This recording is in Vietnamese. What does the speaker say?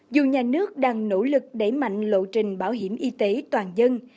dù nhà nước đang nỗ lực đẩy mạnh lộ trình bảo hiểm y tế toàn dân